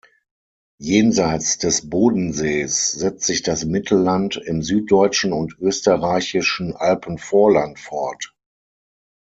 Jenseits des Bodensees setzt sich das Mittelland im süddeutschen und österreichischen Alpenvorland fort.